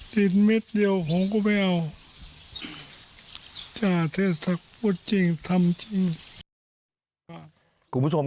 ดินเม็ดเดียวผมก็ไม่เอาจ่าเทศพูดจริงทำจริงคุณผู้ชม